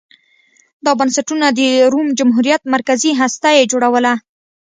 دا بنسټونه د روم جمهوریت مرکزي هسته یې جوړوله